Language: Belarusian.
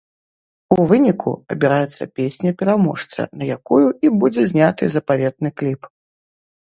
У выніку абіраецца песня-пераможца, на якую і будзе зняты запаветны кліп.